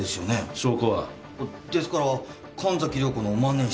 証拠は？ですから神崎涼子の万年筆が。